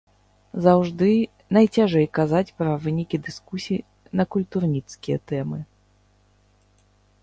Заўжды найцяжэй казаць пра вынікі дыскусій на культурніцкія тэмы.